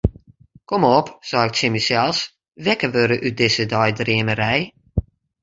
Kom op, sei ik tsjin mysels, wekker wurde út dizze deidreamerij.